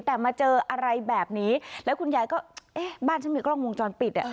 แต่มาเจออะไรแบบนี้แล้วคุณยายก็เอ๊ะบ้านฉันมีกล้องวงจรปิดอ่ะ